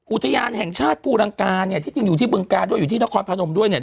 อุทยานแห่งชาติภูรังกาเนี่ยที่จริงอยู่ที่บึงกาด้วยอยู่ที่นครพนมด้วยเนี่ย